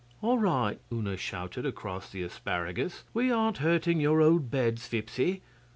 'All right,' Una shouted across the asparagus; 'we aren't hurting your old beds, Phippsey!